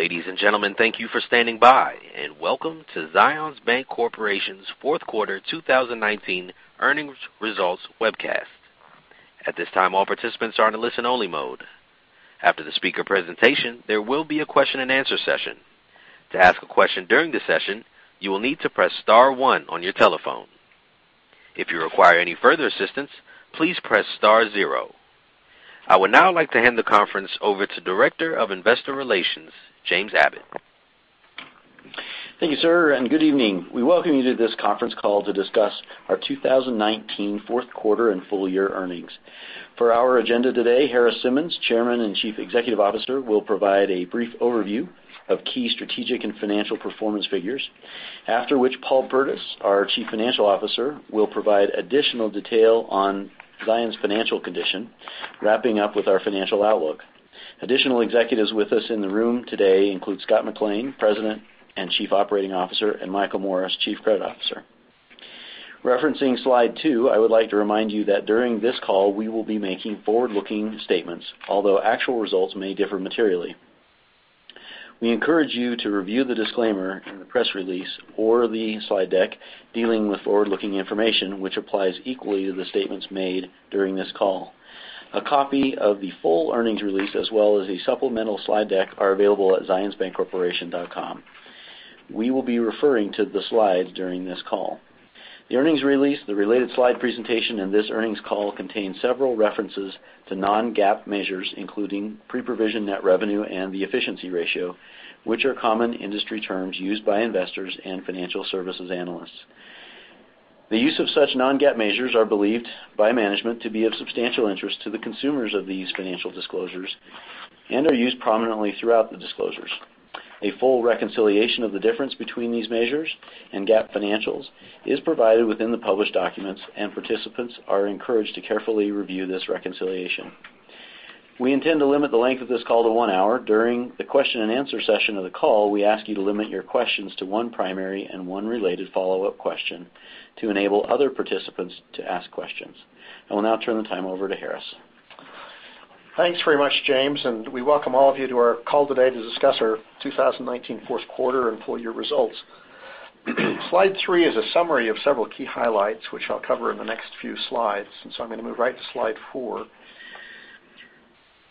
Ladies and gentlemen, thank you for standing by, and welcome to Zions Bancorporation's fourth quarter 2019 earnings results webcast. At this time, all participants are in a listen only mode. After the speaker presentation, there will be a question and answer session. To ask a question during the session, you will need to press star one on your telephone. If you require any further assistance, please press star zero. I would now like to hand the conference over to Director of Investor Relations, James Abbott. Thank you, sir, and good evening. We welcome you to this conference call to discuss our 2019 fourth quarter and full year earnings. For our agenda today, Harris Simmons, Chairman and Chief Executive Officer, will provide a brief overview of key strategic and financial performance figures, after which Paul Burdiss, our Chief Financial Officer, will provide additional detail on Zions' financial condition, wrapping up with our financial outlook. Additional executives with us in the room today include Scott McLean, President and Chief Operating Officer, and Michael Morris, Chief Credit Officer. Referencing slide two, I would like to remind you that during this call, we will be making forward-looking statements, although actual results may differ materially. We encourage you to review the disclaimer in the press release or the slide deck dealing with forward-looking information, which applies equally to the statements made during this call. A copy of the full earnings release, as well as a supplemental slide deck, are available at zionsbancorporation.com. We will be referring to the slides during this call. The earnings release, the related slide presentation, and this earnings call contain several references to non-GAAP measures, including pre-provision net revenue and the efficiency ratio, which are common industry terms used by investors and financial services analysts. The use of such non-GAAP measures are believed by management to be of substantial interest to the consumers of these financial disclosures and are used prominently throughout the disclosures. A full reconciliation of the difference between these measures and GAAP financials is provided within the published documents, and participants are encouraged to carefully review this reconciliation. We intend to limit the length of this call to one hour. During the question and answer session of the call, we ask you to limit your questions to one primary and one related follow-up question to enable other participants to ask questions. I will now turn the time over to Harris. Thanks very much, James, and we welcome all of you to our call today to discuss our 2019 fourth quarter and full year results. Slide three is a summary of several key highlights, which I'll cover in the next few slides. I'm going to move right to slide four.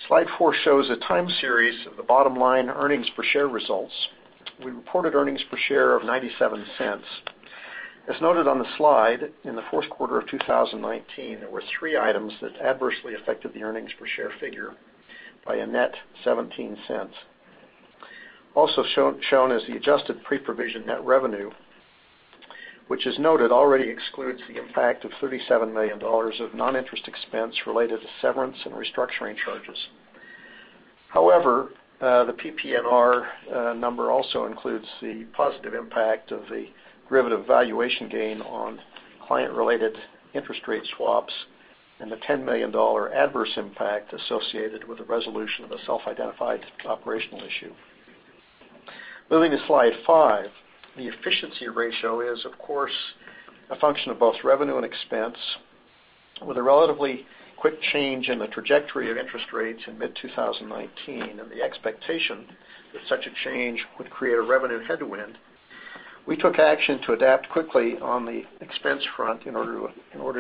Slide four shows a time series of the bottom line earnings per share results. We reported earnings per share of $0.97. As noted on the slide, in the fourth quarter of 2019, there were three items that adversely affected the earnings per share figure by a net $0.17. Also shown as the adjusted pre-provision net revenue, which is noted already excludes the impact of $37 million of non-interest expense related to severance and restructuring charges. However, the PPNR number also includes the positive impact of the derivative valuation gain on client related interest rate swaps and the $10 million adverse impact associated with the resolution of a self-identified operational issue. Moving to slide five. The efficiency ratio is, of course, a function of both revenue and expense. With a relatively quick change in the trajectory of interest rates in mid-2019 and the expectation that such a change would create a revenue headwind, we took action to adapt quickly on the expense front in order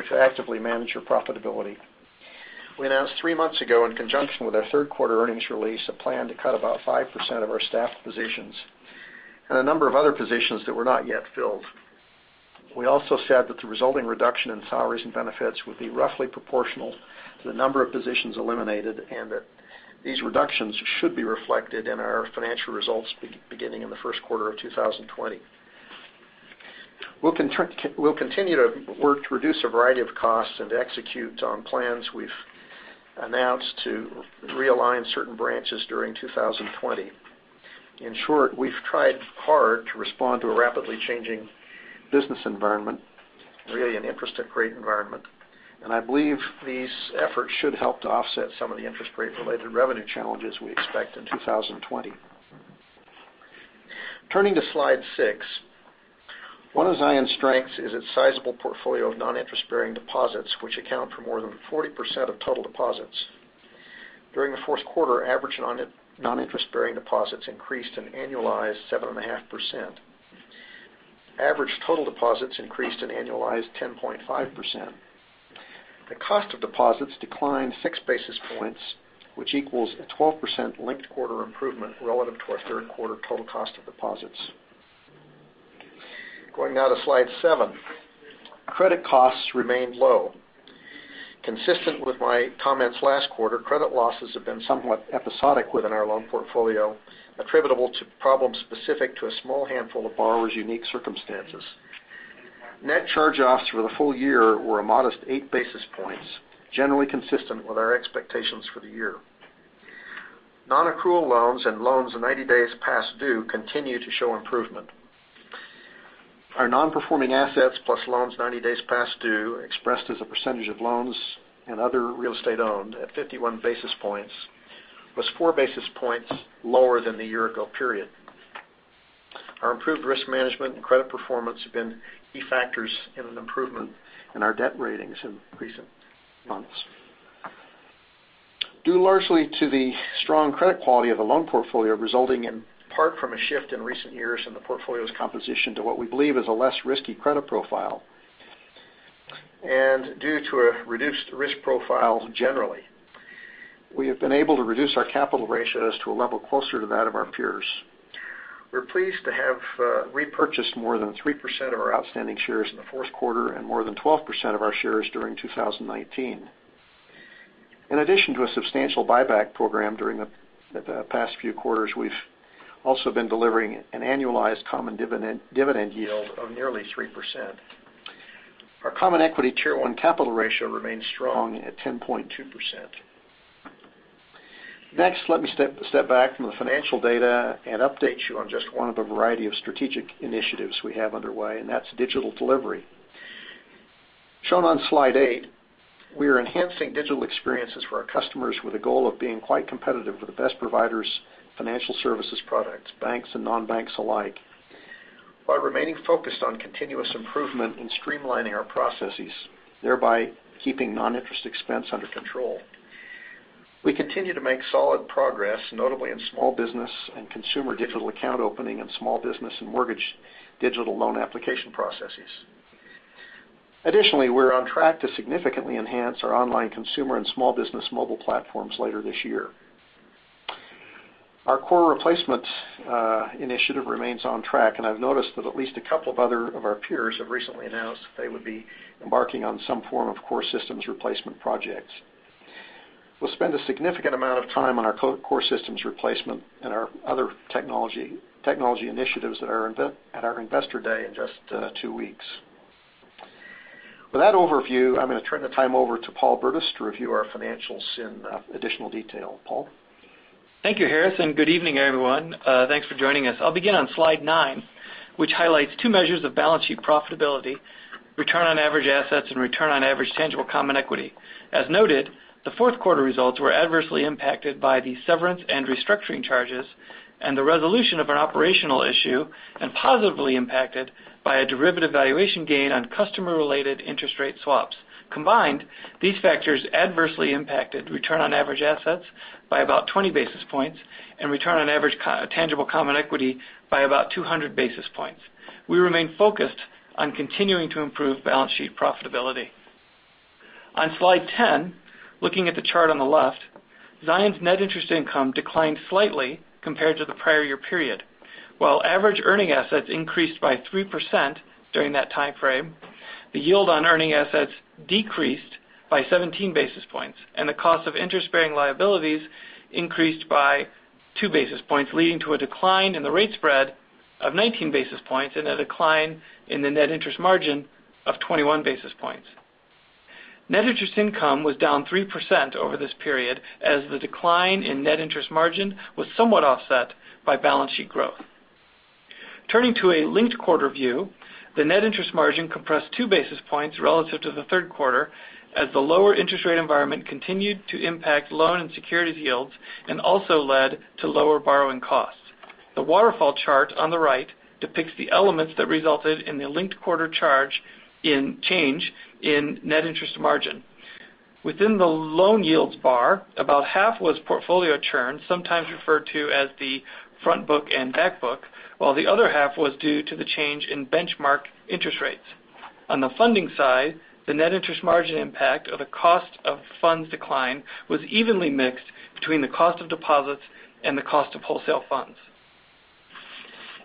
to actively manage our profitability. We announced three months ago, in conjunction with our third quarter earnings release, a plan to cut about 5% of our staff positions and a number of other positions that were not yet filled. We also said that the resulting reduction in salaries and benefits would be roughly proportional to the number of positions eliminated, and that these reductions should be reflected in our financial results beginning in the first quarter of 2020. We'll continue to work to reduce a variety of costs and execute on plans we've announced to realign certain branches during 2020. In short, we've tried hard to respond to a rapidly changing business environment, really an interest and rate environment. I believe these efforts should help to offset some of the interest rate related revenue challenges we expect in 2020. Turning to slide six. One of Zions' strengths is its sizable portfolio of non-interest bearing deposits, which account for more than 40% of total deposits. During the fourth quarter, average non-interest bearing deposits increased an annualized 7.5%. Average total deposits increased an annualized 10.5%. The cost of deposits declined 6 basis points, which equals a 12% linked quarter improvement relative to our third quarter total cost of deposits. Going now to slide seven. Credit costs remained low. Consistent with my comments last quarter, credit losses have been somewhat episodic within our loan portfolio, attributable to problems specific to a small handful of borrowers' unique circumstances. Net charge-offs for the full year were a modest 8 basis points, generally consistent with our expectations for the year. Non-accrual loans and loans 90 days past due continue to show improvement. Our non-performing assets plus loans 90 days past due, expressed as a percentage of loans and other real estate owned at 51 basis points, was 4 basis points lower than the year ago period. Our improved risk management and credit performance have been key factors in an improvement in our debt ratings in recent months. Due largely to the strong credit quality of the loan portfolio, resulting in part from a shift in recent years in the portfolio's composition to what we believe is a less risky credit profile, and due to a reduced risk profile generally, we have been able to reduce our capital ratios to a level closer to that of our peers. We're pleased to have repurchased more than 3% of our outstanding shares in the fourth quarter and more than 12% of our shares during 2019. In addition to a substantial buyback program during the past few quarters, we've also been delivering an annualized common dividend yield of nearly 3%. Our Common Equity Tier 1 capital ratio remains strong at 10.2%. Next, let me step back from the financial data and update you on just one of the variety of strategic initiatives we have underway, and that's digital delivery. Shown on slide eight, we are enhancing digital experiences for our customers with a goal of being quite competitive with the best providers' financial services products, banks and non-banks alike, while remaining focused on continuous improvement in streamlining our processes, thereby keeping non-interest expense under control. We continue to make solid progress, notably in small business and consumer digital account opening and small business and mortgage digital loan application processes. Additionally, we're on track to significantly enhance our online consumer and small business mobile platforms later this year. Our core replacement initiative remains on track. I've noticed that at least a couple of other of our peers have recently announced that they would be embarking on some form of core systems replacement projects. We'll spend a significant amount of time on our core systems replacement and our other technology initiatives at our Investor Day in just two weeks. With that overview, I'm going to turn the time over to Paul Burdiss to review our financials in additional detail. Paul? Thank you, Harris, and good evening, everyone. Thanks for joining us. I'll begin on slide nine, which highlights two measures of balance sheet profitability, return on average assets, and return on average tangible common equity. As noted, the fourth quarter results were adversely impacted by the severance and restructuring charges and the resolution of an operational issue, and positively impacted by a derivative valuation gain on customer-related interest rate swaps. Combined, these factors adversely impacted return on average assets by about 20 basis points and return on average tangible common equity by about 200 basis points. We remain focused on continuing to improve balance sheet profitability. On slide 10, looking at the chart on the left, Zions' net interest income declined slightly compared to the prior year period. While average earning assets increased by 3% during that time frame, the yield on earning assets decreased by 17 basis points, and the cost of interest-bearing liabilities increased by 2 basis points, leading to a decline in the rate spread of 19 basis points and a decline in the net interest margin of 21 basis points. Net interest income was down 3% over this period as the decline in net interest margin was somewhat offset by balance sheet growth. Turning to a linked quarter view, the net interest margin compressed 2 basis points relative to the third quarter as the lower interest rate environment continued to impact loan and securities yields and also led to lower borrowing costs. The waterfall chart on the right depicts the elements that resulted in the linked quarter change in net interest margin. Within the loan yields bar, about half was portfolio churn, sometimes referred to as the front book and back book, while the other half was due to the change in benchmark interest rates. On the funding side, the net interest margin impact of the cost of funds decline was evenly mixed between the cost of deposits and the cost of wholesale funds.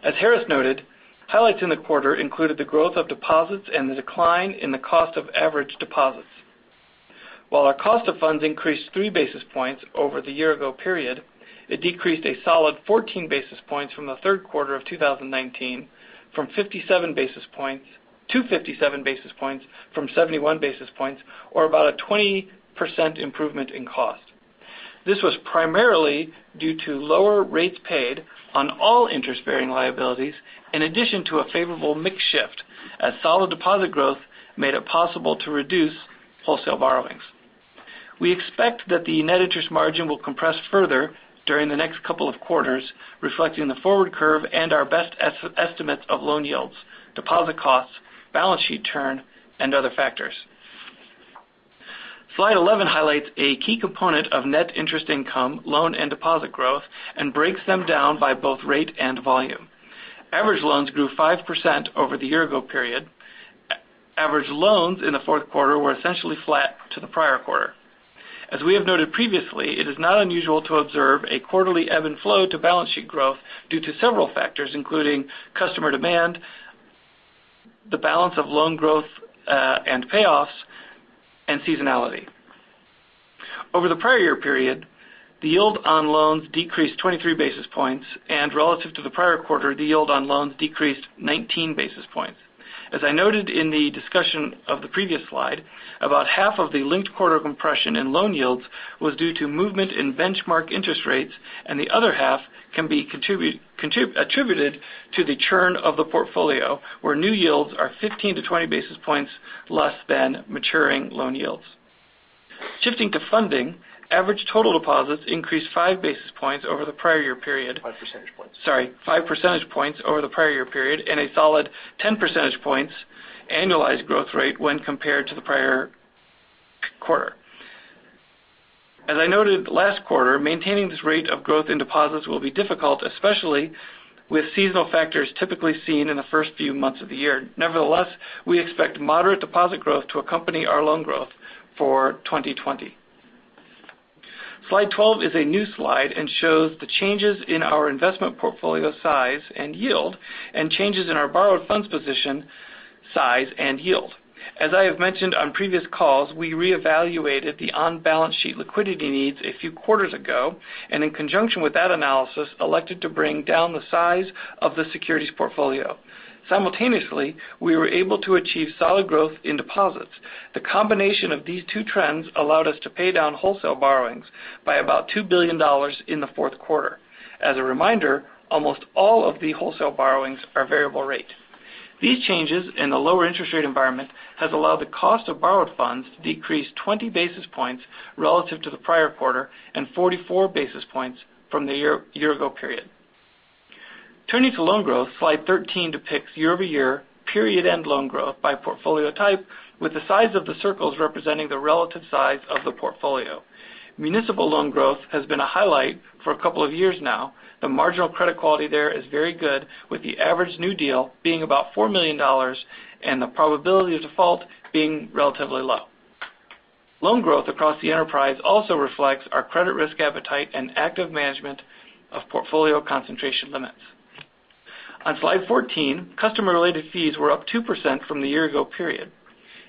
As Harris noted, highlights in the quarter included the growth of deposits and the decline in the cost of average deposits. While our cost of funds increased 3 basis points over the year ago period, it decreased a solid 14 basis points from the third quarter of 2019 to 57 basis points from 71 basis points or about a 20% improvement in cost. This was primarily due to lower rates paid on all interest-bearing liabilities, in addition to a favorable mix shift as solid deposit growth made it possible to reduce wholesale borrowings. We expect that the net interest margin will compress further during the next couple of quarters, reflecting the forward curve and our best estimates of loan yields, deposit costs, balance sheet churn, and other factors. Slide 11 highlights a key component of net interest income, loan, and deposit growth and breaks them down by both rate and volume. Average loans grew 5% over the year-ago period. Average loans in the fourth quarter were essentially flat to the prior quarter. As we have noted previously, it is not unusual to observe a quarterly ebb and flow to balance sheet growth due to several factors, including customer demand, the balance of loan growth and payoffs, and seasonality. Over the prior year period, the yield on loans decreased 23 basis points. Relative to the prior quarter, the yield on loans decreased 19 basis points. As I noted in the discussion of the previous slide, about half of the linked quarter compression in loan yields was due to movement in benchmark interest rates. The other half can be attributed to the churn of the portfolio, where new yields are 15-20 basis points less than maturing loan yields. Shifting to funding, average total deposits increased 5 basis points over the prior year period. 5 percentage points. Sorry, 5 percentage points over the prior year period and a solid 10 percentage points annualized growth rate when compared to the prior quarter. As I noted last quarter, maintaining this rate of growth in deposits will be difficult, especially with seasonal factors typically seen in the first few months of the year. Nevertheless, we expect moderate deposit growth to accompany our loan growth for 2020. Slide 12 is a new slide and shows the changes in our investment portfolio size and yield and changes in our borrowed funds position, size, and yield. As I have mentioned on previous calls, we reevaluated the on-balance sheet liquidity needs a few quarters ago, and in conjunction with that analysis, elected to bring down the size of the securities portfolio. Simultaneously, we were able to achieve solid growth in deposits. The combination of these two trends allowed us to pay down wholesale borrowings by about $2 billion in the fourth quarter. As a reminder, almost all of the wholesale borrowings are variable rate. These changes in the lower interest rate environment has allowed the cost of borrowed funds to decrease 20 basis points relative to the prior quarter and 44 basis points from the year-ago period. Turning to loan growth, slide 13 depicts year-over-year period end loan growth by portfolio type, with the size of the circles representing the relative size of the portfolio. Municipal loan growth has been a highlight for a couple of years now. The marginal credit quality there is very good, with the average new deal being about $4 million and the probability of default being relatively low. Loan growth across the enterprise also reflects our credit risk appetite and active management of portfolio concentration limits. On slide 14, customer-related fees were up 2% from the year ago period.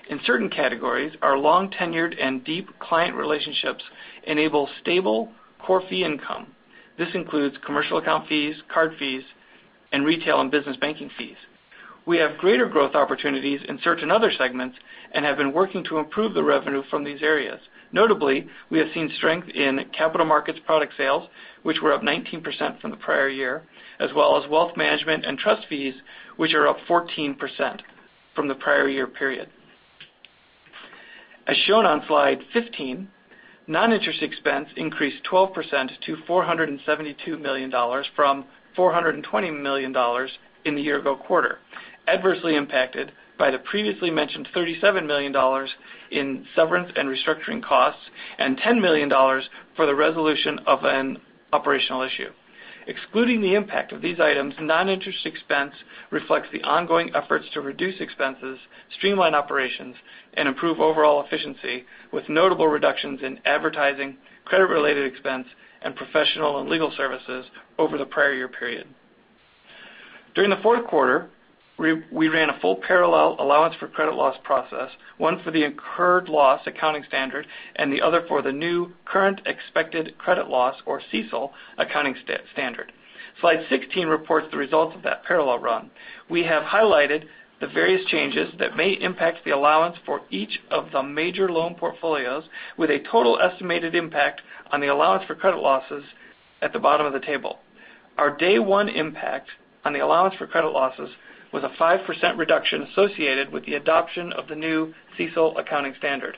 In certain categories, our long tenured and deep client relationships enable stable core fee income. This includes commercial account fees, card fees, and retail and business banking fees. We have greater growth opportunities in certain other segments and have been working to improve the revenue from these areas. Notably, we have seen strength in capital markets product sales, which were up 19% from the prior year, as well as wealth management and trust fees, which are up 14% from the prior year period. As shown on slide 15, non-interest expense increased 12% to $472 million from $420 million in the year ago quarter, adversely impacted by the previously mentioned $37 million in severance and restructuring costs and $10 million for the resolution of an operational issue. Excluding the impact of these items, non-interest expense reflects the ongoing efforts to reduce expenses, streamline operations, and improve overall efficiency, with notable reductions in advertising, credit-related expense, and professional and legal services over the prior year period. During the fourth quarter, we ran a full parallel allowance for credit losses process, one for the incurred loss accounting standard and the other for the new current expected credit loss, or CECL, accounting standard. Slide 16 reports the results of that parallel run. We have highlighted the various changes that may impact the allowance for each of the major loan portfolios, with a total estimated impact on the allowance for credit losses at the bottom of the table. Our day one impact on the allowance for credit losses was a 5% reduction associated with the adoption of the new CECL accounting standard.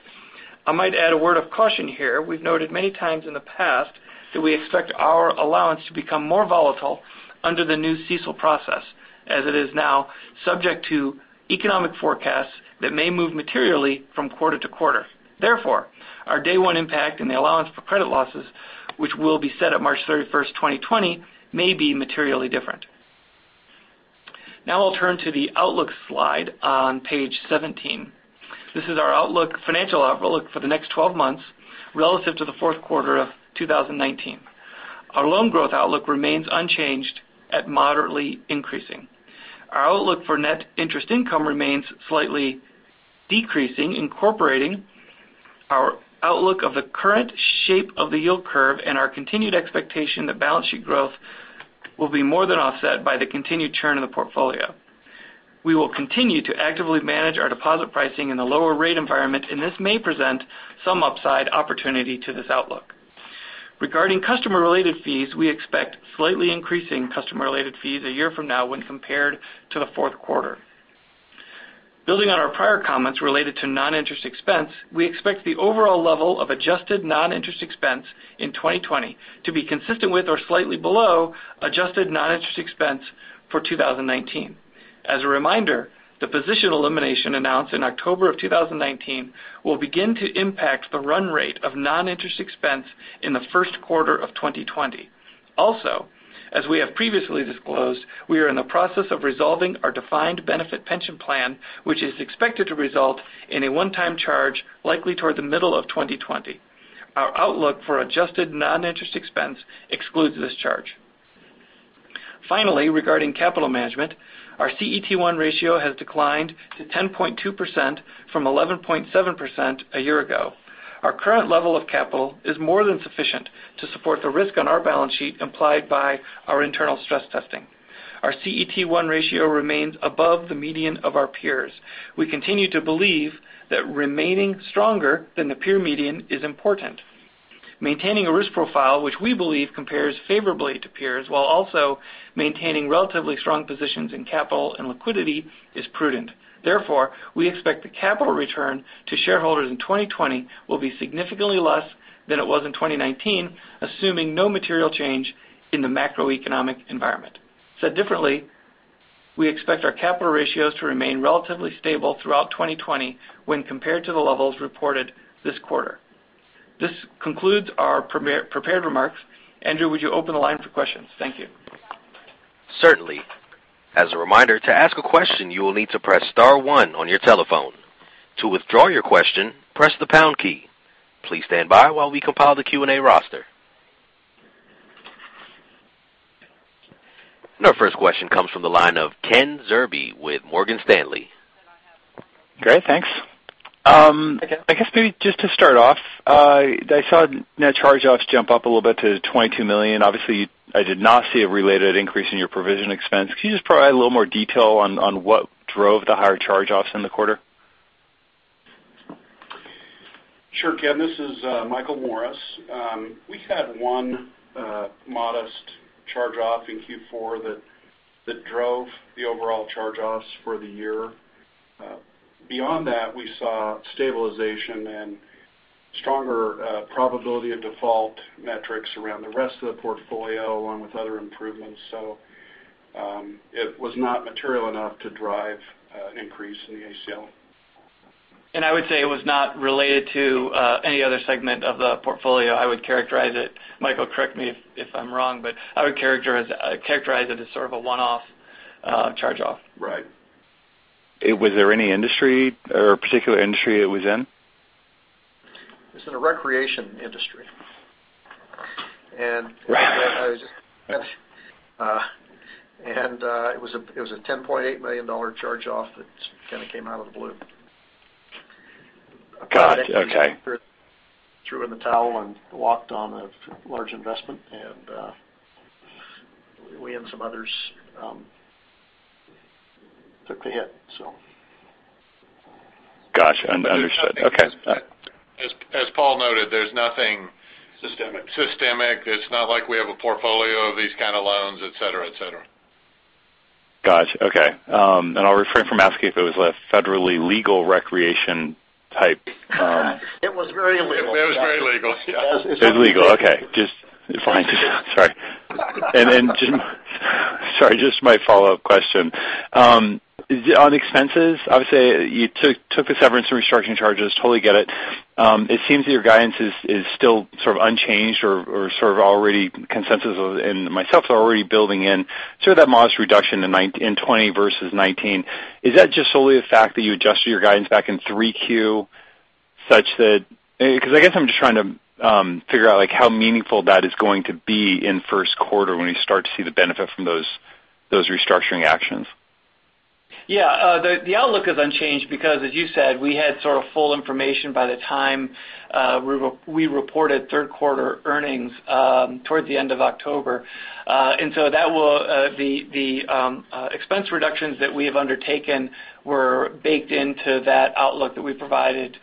I might add a word of caution here. We've noted many times in the past that we expect our allowance to become more volatile under the new CECL process, as it is now subject to economic forecasts that may move materially from quarter to quarter. Therefore, our day one impact and the allowance for credit losses, which will be set at March 31st, 2020, may be materially different. Now I'll turn to the outlook slide on page 17. This is our financial outlook for the next 12 months relative to the fourth quarter of 2019. Our loan growth outlook remains unchanged at moderately increasing. Our outlook for net interest income remains slightly decreasing, incorporating our outlook of the current shape of the yield curve and our continued expectation that balance sheet growth will be more than offset by the continued churn in the portfolio. We will continue to actively manage our deposit pricing in the lower rate environment, and this may present some upside opportunity to this outlook. Regarding customer-related fees, we expect slightly increasing customer-related fees a year from now when compared to the fourth quarter. Building on our prior comments related to non-interest expense, we expect the overall level of adjusted non-interest expense in 2020 to be consistent with or slightly below adjusted non-interest expense for 2019. As a reminder, the position elimination announced in October of 2019 will begin to impact the run rate of non-interest expense in the first quarter of 2020. As we have previously disclosed, we are in the process of resolving our defined benefit pension plan, which is expected to result in a one-time charge likely toward the middle of 2020. Our outlook for adjusted non-interest expense excludes this charge. Finally, regarding capital management, our CET1 ratio has declined to 10.2% from 11.7% a year ago. Our current level of capital is more than sufficient to support the risk on our balance sheet implied by our internal stress testing. Our CET1 ratio remains above the median of our peers. We continue to believe that remaining stronger than the peer median is important. Maintaining a risk profile which we believe compares favorably to peers while also maintaining relatively strong positions in capital and liquidity is prudent. Therefore, we expect the capital return to shareholders in 2020 will be significantly less than it was in 2019, assuming no material change in the macroeconomic environment. Said differently, we expect our capital ratios to remain relatively stable throughout 2020 when compared to the levels reported this quarter. This concludes our prepared remarks. Andrew, would you open the line for questions? Thank you. Certainly. As a reminder, to ask a question, you will need to press star one on your telephone. To withdraw your question, press the pound key. Please stand by while we compile the Q&A roster. Our first question comes from the line of Ken Zerbe with Morgan Stanley. Great, thanks. Hi, Ken. I guess maybe just to start off, I saw net charge-offs jump up a little bit to $22 million. Obviously, I did not see a related increase in your provision expense. Can you just provide a little more detail on what drove the higher charge-offs in the quarter? Sure, Ken. This is Michael Morris. We had one modest charge-off in Q4 that drove the overall charge-offs for the year. Beyond that, we saw stabilization and stronger probability of default metrics around the rest of the portfolio, along with other improvements. It was not material enough to drive an increase in the ACL. I would say it was not related to any other segment of the portfolio. Michael, correct me if I'm wrong, but I would characterize it as sort of a one-off charge-off. Right. Was there any industry or a particular industry it was in? It was in the recreation industry. It was a $10.8 million charge-off that kind of came out of the blue. Got it. Okay. Threw in the towel and walked on a large investment, and we and some others took the hit. Got you. Understood. Okay. As Paul noted, there's nothing systemic. It's not like we have a portfolio of these kind of loans, et cetera. Got you. Okay. I'll refrain from asking if it was a federally legal recreation type. It was very legal. It was very legal, yeah. It was legal. Okay, fine. Sorry, just my follow-up question. On expenses, obviously, you took the severance and restructuring charges. Totally get it. It seems that your guidance is still sort of unchanged or sort of already consensus, and myself is already building in sort of that modest reduction in 2020 versus 2019. Is that just solely a fact that you adjusted your guidance back in 3Q? I guess I'm just trying to figure out how meaningful that is going to be in first quarter when we start to see the benefit from those restructuring actions. Yeah. The outlook is unchanged because, as you said, we had sort of full information by the time we reported third quarter earnings towards the end of October. The expense reductions that we have undertaken were baked into that outlook that we provided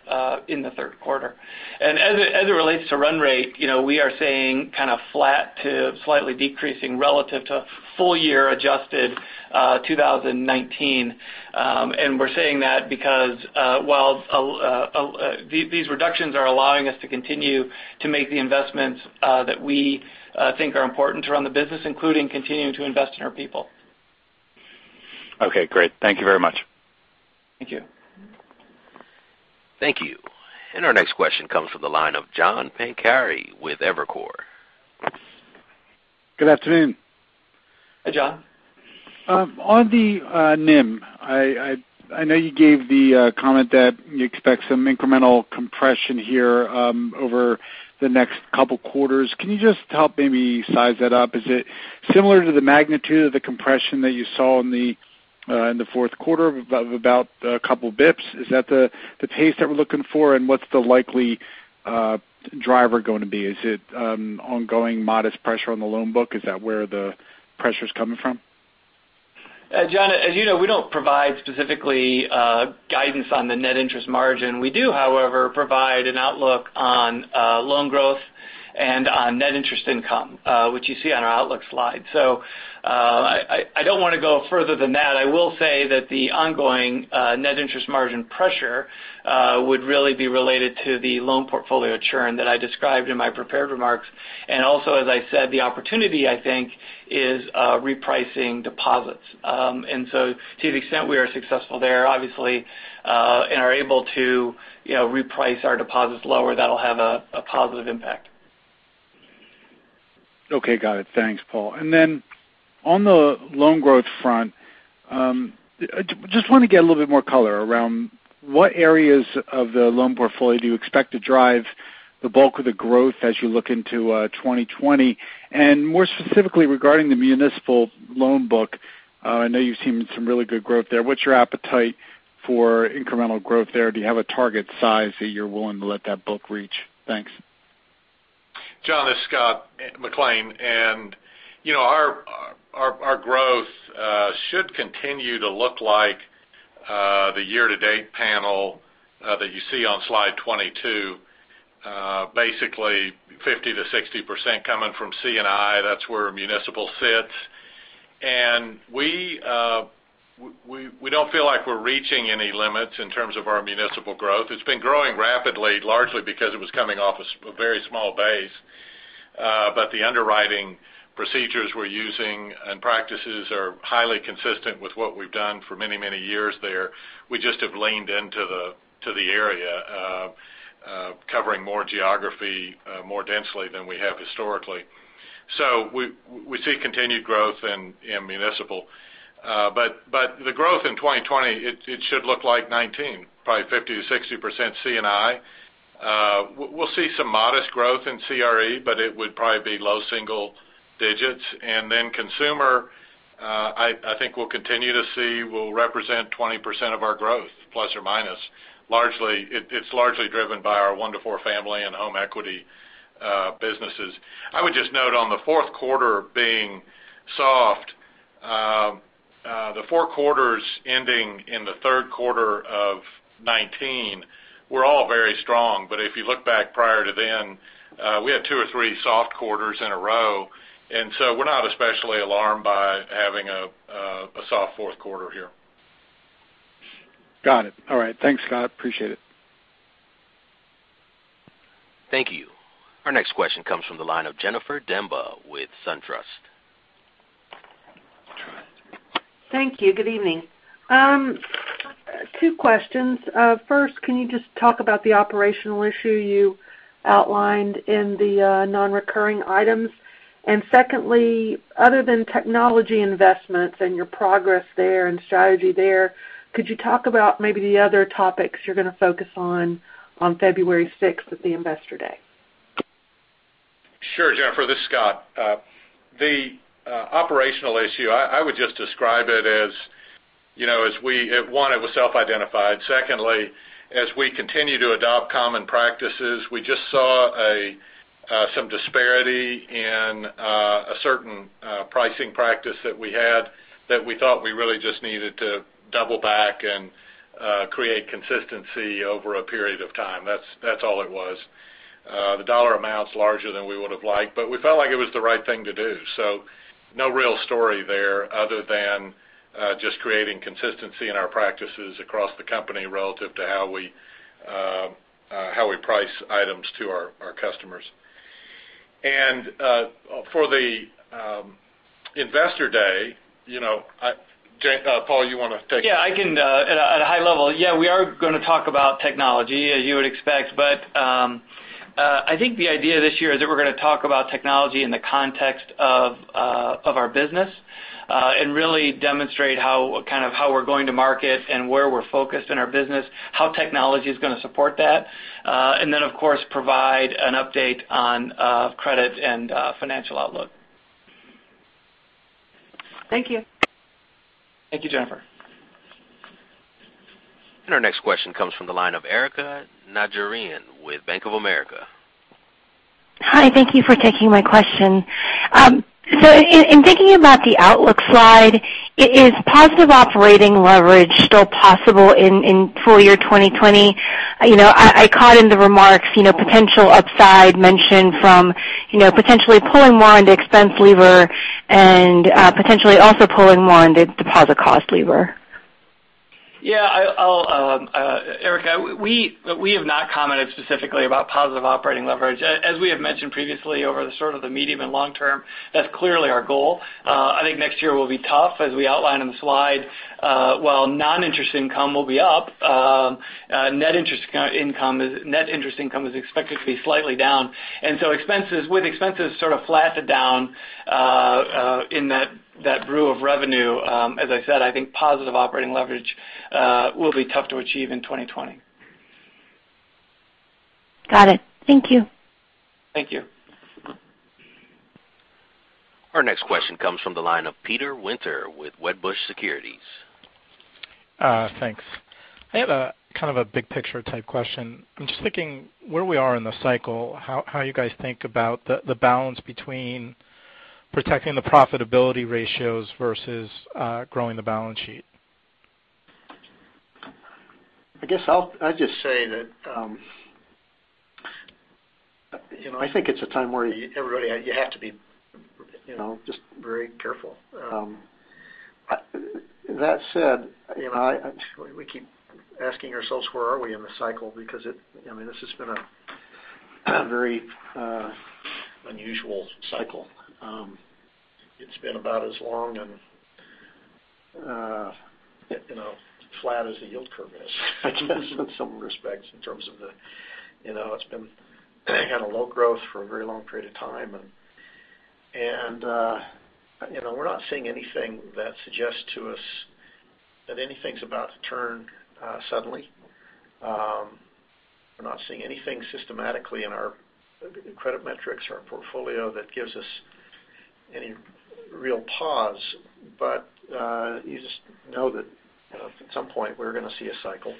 in the third quarter. As it relates to run rate, we are saying kind of flat to slightly decreasing relative to full year adjusted 2019. We're saying that because while these reductions are allowing us to continue to make the investments that we think are important to run the business, including continuing to invest in our people. Okay, great. Thank you very much. Thank you. Thank you. Our next question comes from the line of John Pancari with Evercore. Good afternoon. Hi, John. On the NIM, I know you gave the comment that you expect some incremental compression here over the next couple quarters. Can you just help maybe size that up? Is it similar to the magnitude of the compression that you saw in the fourth quarter of about a couple of basis points? Is that the pace that we're looking for? What's the likely driver going to be? Is it ongoing modest pressure on the loan book? Is that where the pressure's coming from? John, as you know, we don't provide specifically guidance on the net interest margin. We do, however, provide an outlook on loan growth and on net interest income, which you see on our outlook slide. I don't want to go further than that. I will say that the ongoing net interest margin pressure would really be related to the loan portfolio churn that I described in my prepared remarks. Also, as I said, the opportunity, I think, is repricing deposits. To the extent we are successful there, obviously, and are able to reprice our deposits lower, that'll have a positive impact. Okay. Got it. Thanks, Paul. On the loan growth front, just want to get a little bit more color around what areas of the loan portfolio do you expect to drive the bulk of the growth as you look into 2020? More specifically, regarding the municipal loan book, I know you've seen some really good growth there. What's your appetite for incremental growth there? Do you have a target size that you're willing to let that book reach? Thanks. John, it's Scott McLean, our growth should continue to look like the year-to-date panel that you see on slide 22, basically 50%-60% coming from C&I, that's where municipal sits. We don't feel like we're reaching any limits in terms of our municipal growth. It's been growing rapidly, largely because it was coming off a very small base. The underwriting procedures we're using and practices are highly consistent with what we've done for many, many years there. We just have leaned into the area, covering more geography, more densely than we have historically. We see continued growth in municipal. The growth in 2020, it should look like 2019, probably 50%-60% C&I. We'll see some modest growth in CRE, but it would probably be low single digits. Consumer, I think we'll continue to see will represent 20% of our growth, plus or minus. It's largely driven by our one to four family and home equity businesses. I would just note on the fourth quarter being soft, the four quarters ending in the third quarter of 2019 were all very strong. If you look back prior to then, we had two or three soft quarters in a row. We're not especially alarmed by having a soft fourth quarter here. Got it. All right. Thanks, Scott. Appreciate it. Thank you. Our next question comes from the line of Jennifer Demba with SunTrust. Thank you. Good evening. Two questions. First, can you just talk about the operational issue you outlined in the non-recurring items? Secondly, other than technology investments and your progress there and strategy there, could you talk about maybe the other topics you're going to focus on February 6th at the Investor Day? Sure, Jennifer, this is Scott. The operational issue, I would just describe it as one, it was self-identified. Secondly, as we continue to adopt common practices, we just saw some disparity in a certain pricing practice that we had that we thought we really just needed to double back and create consistency over a period of time. That's all it was. The dollar amount's larger than we would've liked, but we felt like it was the right thing to do. No real story there other than just creating consistency in our practices across the company relative to how we price items to our customers. For the Investor Day, Paul, you want to take it? Yeah, I can. At a high level, yeah, we are going to talk about technology as you would expect, but I think the idea this year is that we're going to talk about technology in the context of our business. Really demonstrate kind of how we're going to market and where we're focused in our business, how technology is going to support that. Of course, provide an update on credit and financial outlook. Thank you. Thank you, Jennifer. Our next question comes from the line of Erika Najarian with Bank of America. Hi, thank you for taking my question. In thinking about the outlook slide, is positive operating leverage still possible in full year 2020? I caught in the remarks potential upside mention from potentially pulling more on the expense lever and potentially also pulling more on the deposit cost lever. Yeah. Erika, we have not commented specifically about positive operating leverage. As we have mentioned previously over the sort of the medium and long term, that's clearly our goal. I think next year will be tough as we outlined on the slide. While non-interest income will be up, net interest income is expected to be slightly down. With expenses sort of flat to down in that brew of revenue, as I said, I think positive operating leverage will be tough to achieve in 2020. Got it. Thank you. Thank you. Our next question comes from the line of Peter Winter with Wedbush Securities. Thanks. I have kind of a big picture type question. I'm just thinking where we are in the cycle, how you guys think about the balance between protecting the profitability ratios versus growing the balance sheet. I guess I'll just say that I think it's a time where everybody, you have to be just very careful. That said, we keep asking ourselves where are we in the cycle because this has been a very unusual cycle. It's been about as long and flat as the yield curve is I guess in some respects. It's been kind of low growth for a very long period of time. We're not seeing anything that suggests to us that anything's about to turn suddenly. We're not seeing anything systematically in our credit metrics or our portfolio that gives us any real pause. You just know that at some point we're going to see a cycle.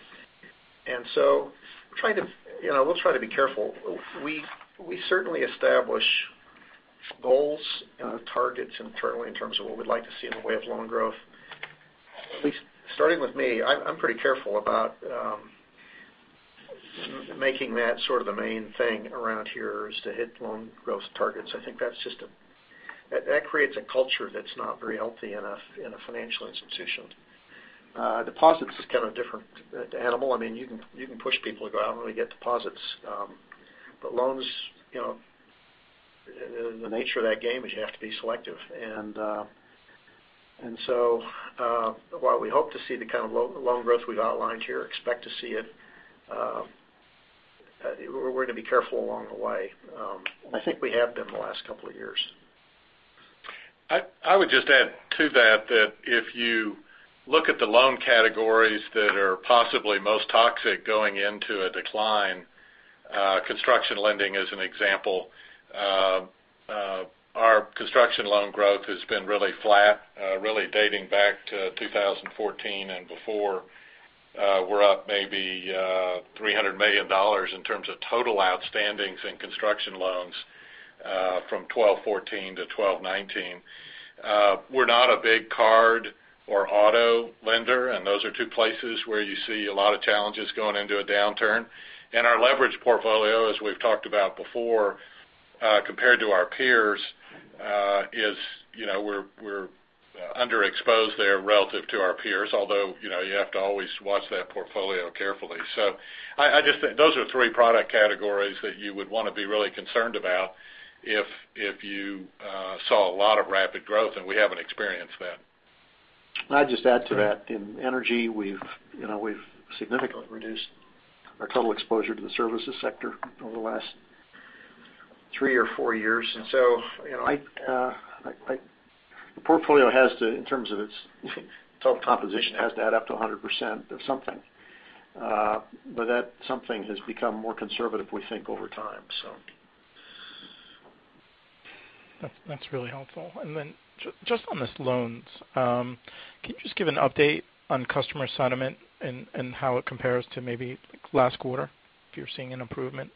We'll try to be careful. We certainly establish goals and targets internally in terms of what we'd like to see in the way of loan growth. At least starting with me, I'm pretty careful about making that sort of the main thing around here is to hit loan growth targets. I think that creates a culture that's not very healthy in a financial institution. Deposits is kind of a different animal. You can push people to go out and get deposits. Loans, the nature of that game is you have to be selective. While we hope to see the kind of loan growth we've outlined here, expect to see it, we're going to be careful along the way. I think we have been the last couple of years. I would just add to that if you look at the loan categories that are possibly most toxic going into a decline, construction lending as an example, our construction loan growth has been really flat, really dating back to 2014 and before. We're up maybe $300 million in terms of total outstandings in construction loans from 12/2014 to 12/2019. We're not a big card or auto lender, and those are two places where you see a lot of challenges going into a downturn. Our leverage portfolio, as we've talked about before, compared to our peers, we're underexposed there relative to our peers. Although, you have to always watch that portfolio carefully. I just think those are three product categories that you would want to be really concerned about if you saw a lot of rapid growth, and we haven't experienced that. I'd just add to that. In energy, we've significantly reduced our total exposure to the services sector over the last three or four years. The portfolio, in terms of its total composition, has to add up to 100% of something. That something has become more conservative, we think, over time. That's really helpful. Just on these loans, can you just give an update on customer sentiment and how it compares to maybe last quarter, if you're seeing an improvement?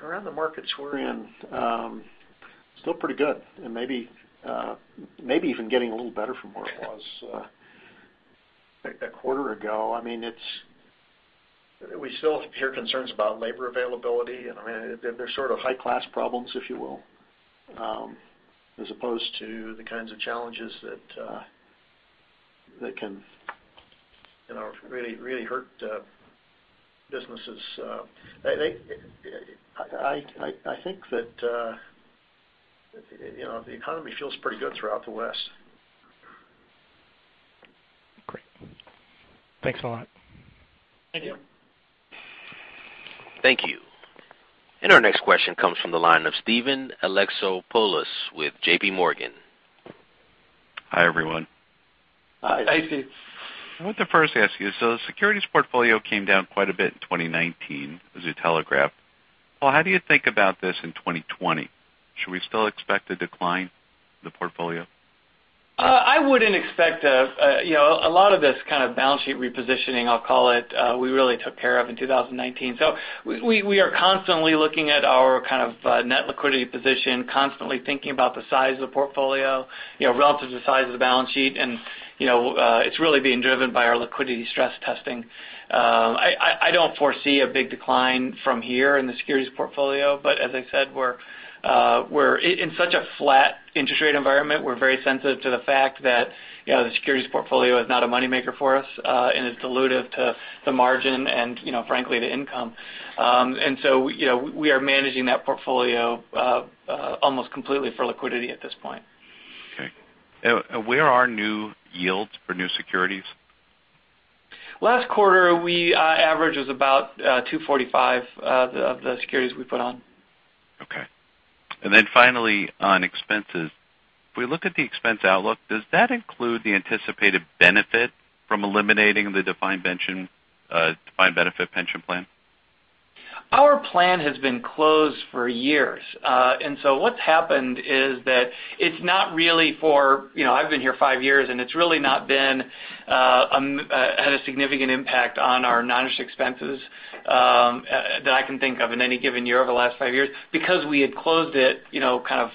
Around the markets we're in, still pretty good, and maybe even getting a little better from where it was a quarter ago. We still hear concerns about labor availability, and they're sort of high-class problems, if you will, as opposed to the kinds of challenges that can really hurt businesses. I think that the economy feels pretty good throughout the West. Great. Thanks a lot. Thank you. Thank you. Thank you. Our next question comes from the line of Steven Alexopoulos with JPMorgan. Hi, everyone. Hi. Hi, Steve. I want to first ask you, so the securities portfolio came down quite a bit in 2019 as you telegraphed. Paul, how do you think about this in 2020? Should we still expect a decline in the portfolio? I wouldn't expect a lot of this kind of balance sheet repositioning, I'll call it, we really took care of in 2019. We are constantly looking at our kind of net liquidity position, constantly thinking about the size of the portfolio relative to the size of the balance sheet, and it's really being driven by our liquidity stress testing. I don't foresee a big decline from here in the securities portfolio, but as I said, we're in such a flat interest rate environment. We're very sensitive to the fact that the securities portfolio is not a moneymaker for us and is dilutive to the margin and frankly, to income. We are managing that portfolio almost completely for liquidity at this point. Okay. Where are new yields for new securities? Last quarter, our average was about 2.45% of the securities we put on. Okay. Finally, on expenses, if we look at the expense outlook, does that include the anticipated benefit from eliminating the defined benefit pension plan? Our plan has been closed for years. What's happened is that it's not really, I've been here five years, and it's really not had a significant impact on our non-interest expenses that I can think of in any given year over the last five years, because we had closed it kind of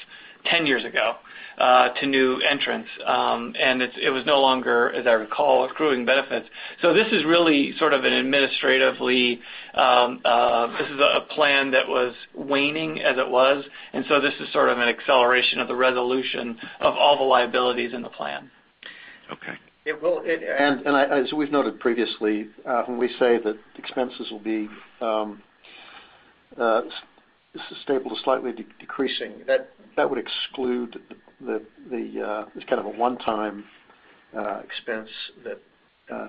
10 years ago to new entrants. It was no longer, as I recall, accruing benefits. This is really sort of an administratively this is a plan that was waning as it was. This is sort of an acceleration of the resolution of all the liabilities in the plan. Okay. As we've noted previously, when we say that expenses will be stable to slightly decreasing, that would exclude this kind of a one-time expense that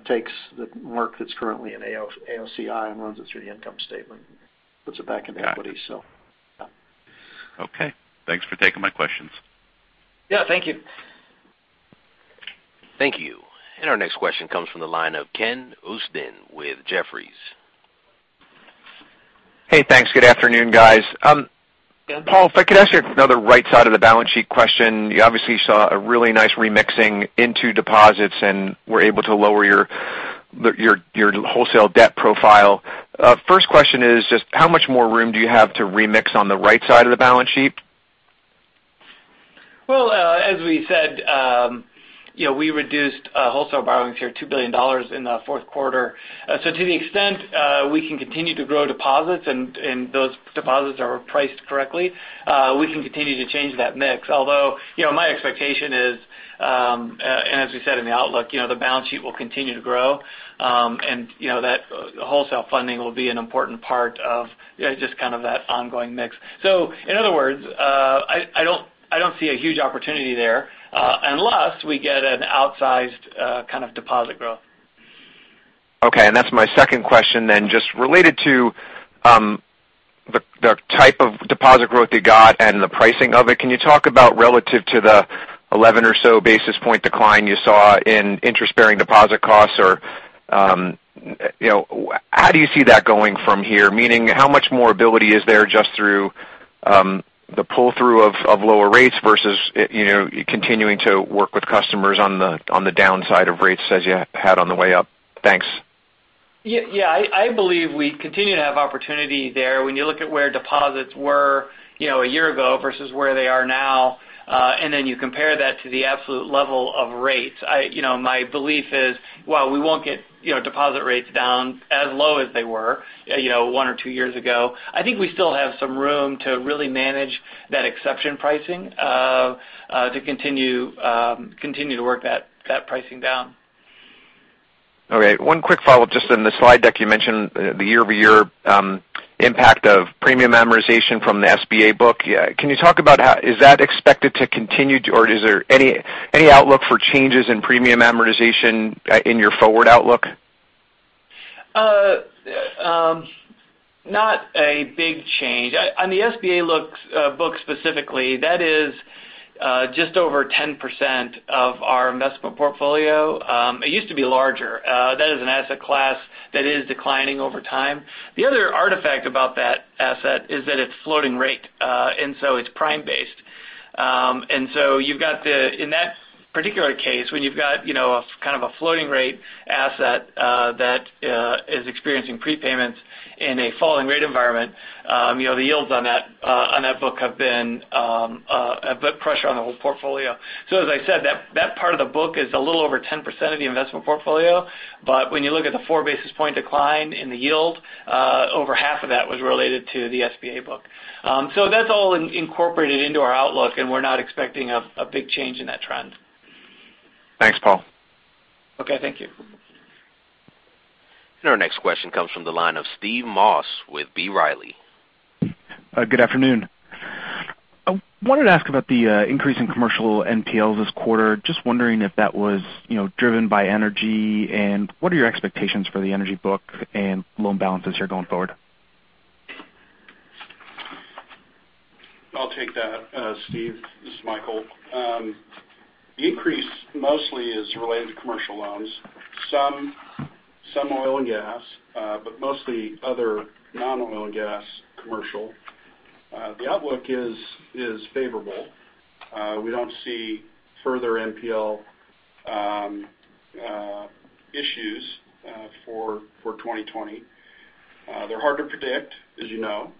takes the mark that's currently in AOCI and runs it through the income statement, puts it back into equity. Got it. Okay. Thanks for taking my questions. Yeah, thank you. Thank you. Our next question comes from the line of Ken Usdin with Jefferies. Hey, thanks. Good afternoon, guys. Paul, if I could ask you another right side of the balance sheet question. You obviously saw a really nice remixing into deposits and were able to lower your wholesale debt profile. First question is just how much more room do you have to remix on the right side of the balance sheet? Well, as we said, we reduced wholesale borrowings here, $2 billion in the fourth quarter. To the extent we can continue to grow deposits and those deposits are priced correctly, we can continue to change that mix. Although my expectation is, and as we said in the outlook, the balance sheet will continue to grow. That wholesale funding will be an important part of just kind of that ongoing mix. In other words, I don't see a huge opportunity there, unless we get an outsized kind of deposit growth. Okay. That's my second question. Just related to the type of deposit growth you got and the pricing of it, can you talk about relative to the 11 or so basis point decline you saw in interest-bearing deposit costs, or how do you see that going from here? Meaning, how much more ability is there just through the pull-through of lower rates versus continuing to work with customers on the downside of rates as you had on the way up? Thanks. Yeah. I believe we continue to have opportunity there. When you look at where deposits were a year ago versus where they are now, and then you compare that to the absolute level of rates, my belief is while we won't get deposit rates down as low as they were one or two years ago, I think we still have some room to really manage that exception pricing to continue to work that pricing down. Okay. One quick follow-up. Just in the slide deck, you mentioned the year-over-year impact of premium amortization from the SBA book. Is that expected to continue, or is there any outlook for changes in premium amortization in your forward outlook? Not a big change. On the SBA book specifically, that is just over 10% of our investment portfolio. It used to be larger. That is an asset class that is declining over time. The other artifact about that asset is that it's floating rate, and so it's prime based. In that particular case, when you've got kind of a floating rate asset that is experiencing prepayments in a falling rate environment, the yields on that book have been a bit pressure on the whole portfolio. As I said, that part of the book is a little over 10% of the investment portfolio. When you look at the 4 basis point decline in the yield, over half of that was related to the SBA book. That's all incorporated into our outlook, and we're not expecting a big change in that trend. Thanks, Paul. Okay. Thank you. Our next question comes from the line of Steve Moss with B. Riley. Good afternoon. I wanted to ask about the increase in commercial NPLs this quarter. Just wondering if that was driven by energy, and what are your expectations for the energy book and loan balances here going forward? I'll take that, Steve. This is Michael. The increase mostly is related to commercial loans, some oil and gas, but mostly other non-oil and gas commercial. The outlook is favorable. We don't see further NPL issues for 2020. They're hard to predict, as you know.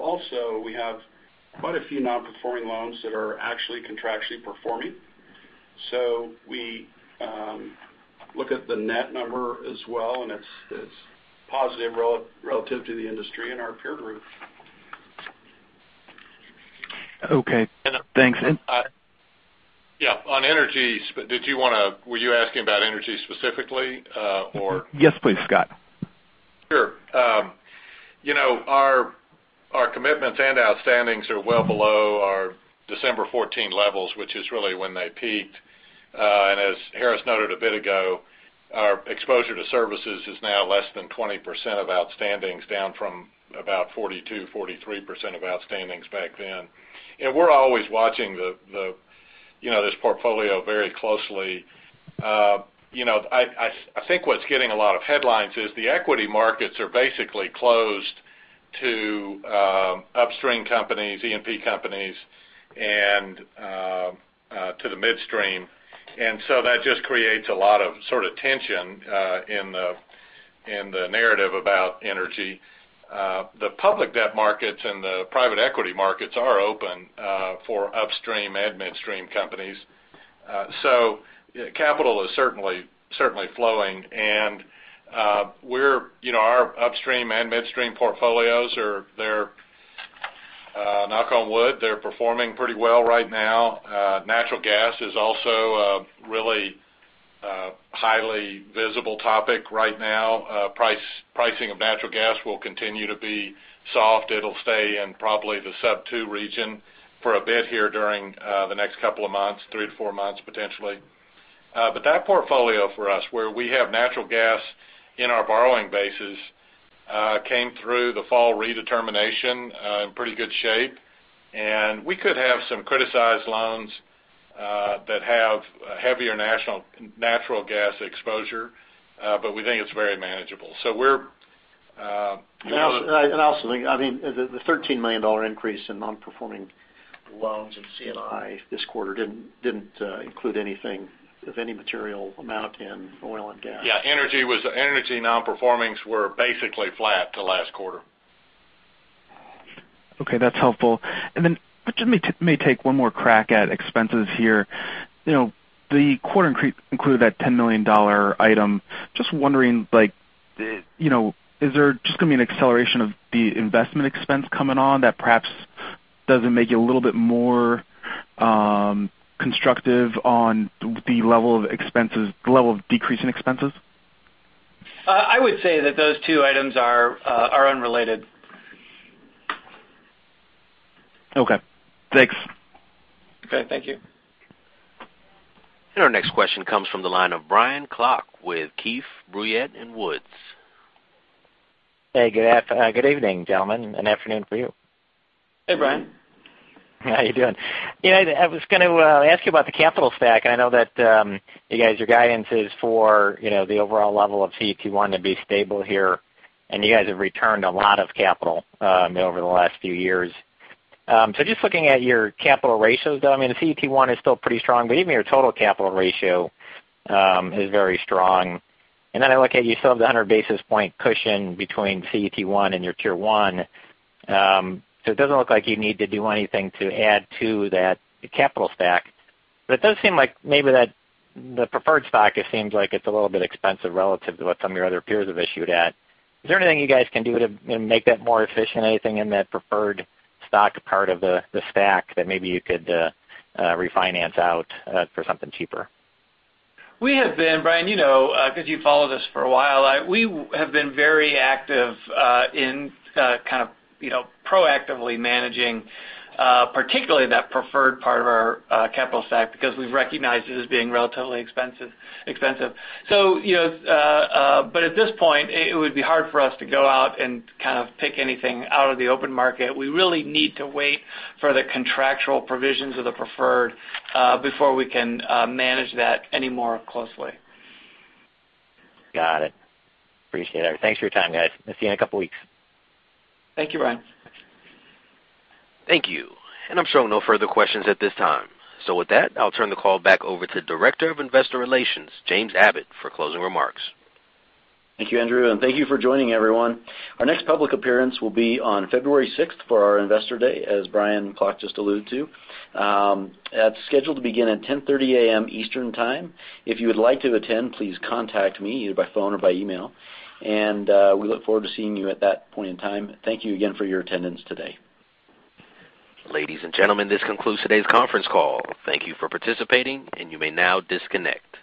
Also, we have quite a few non-performing loans that are actually contractually performing. We look at the net number as well, and it's positive relative to the industry and our peer group. Okay. Thanks. Yeah. On energy, were you asking about energy specifically? Yes, please, Scott. Sure. Our commitments and outstandings are well below our December 14 levels, which is really when they peaked. As Harris noted a bit ago, our exposure to services is now less than 20% of outstandings, down from about 42%, 43% of outstandings back then. We're always watching this portfolio very closely. I think what's getting a lot of headlines is the equity markets are basically closed to upstream companies, E&P companies, and to the midstream. That just creates a lot of sort of tension in the narrative about energy. The public debt markets and the private equity markets are open for upstream and midstream companies. Capital is certainly flowing, and our upstream and midstream portfolios, knock on wood, they're performing pretty well right now. Natural gas is also a really highly visible topic right now. Pricing of natural gas will continue to be soft. It'll stay in probably the sub two region for a bit here during the next couple of months, three to four months potentially. That portfolio for us, where we have natural gas in our borrowing bases came through the fall redetermination in pretty good shape. We could have some criticized loans that have heavier natural gas exposure, but we think it's very manageable. I also think the $13 million increase in non-performing loans and C&I this quarter didn't include anything of any material amount in oil and gas. Yeah. Energy non-performings were basically flat to last quarter. Okay. That's helpful. Just let me take one more crack at expenses here. The quarter included that $10 million item. Just wondering, is there just going to be an acceleration of the investment expense coming on that perhaps doesn't make you a little bit more constructive on the level of decrease in expenses? I would say that those two items are unrelated. Okay. Thanks. Okay. Thank you. Our next question comes from the line of Brian Klock with Keefe, Bruyette & Woods. Hey. Good evening, gentlemen, and afternoon for you. Hey, Brian. How you doing? I was going to ask you about the capital stack. I know that, you guys, your guidance is for the overall level of CET1 to be stable here. You guys have returned a lot of capital over the last few years. Just looking at your capital ratios though, CET1 is still pretty strong. Even your total capital ratio is very strong. I look at you still have the 100 basis point cushion between CET1 and your Tier 1. It doesn't look like you need to do anything to add to that capital stack. It does seem like maybe that the preferred stock seems like it's a little bit expensive relative to what some of your other peers have issued at. Is there anything you guys can do to make that more efficient? Anything in that preferred stock part of the stack that maybe you could refinance out for something cheaper? Brian, because you've followed us for a while, we have been very active in kind of proactively managing particularly that preferred part of our capital stack because we've recognized it as being relatively expensive. At this point, it would be hard for us to go out and kind of pick anything out of the open market. We really need to wait for the contractual provisions of the preferred before we can manage that any more closely. Got it. Appreciate it. Thanks for your time, guys. I'll see you in a couple of weeks. Thank you, Brian. Thank you. I'm showing no further questions at this time. With that, I'll turn the call back over to Director of Investor Relations, James Abbott, for closing remarks. Thank you, Andrew, and thank you for joining, everyone. Our next public appearance will be on February 6th for our Investor Day, as Brian Klock just alluded to. That is scheduled to begin at 10:30 A.M. Eastern Time. If you would like to attend, please contact me either by phone or by email, and we look forward to seeing you at that point in time. Thank you again for your attendance today. Ladies and gentlemen, this concludes today's conference call. Thank you for participating. You may now disconnect.